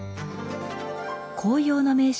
紅葉の名所